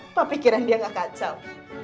apa pikiran dia gak kacau